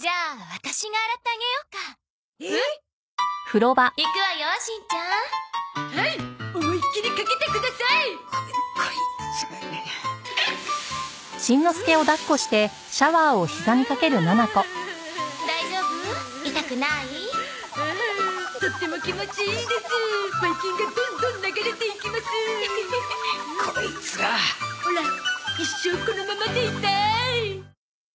オラ一生このままでいたい！